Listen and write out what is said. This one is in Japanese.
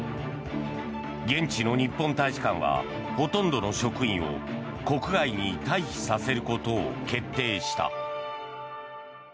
現地の日本大使館はほとんどの職員を国外に退避させることを決定した。